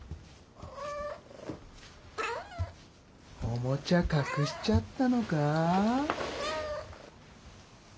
おもちゃ隠しちゃったのか？